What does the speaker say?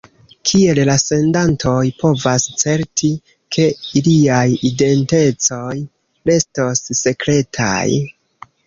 Kiel la sendantoj povas certi, ke iliaj identecoj restos sekretaj?